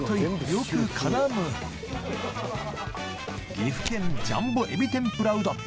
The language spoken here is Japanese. よく絡む岐阜県ジャンボ海老天ぷらうどん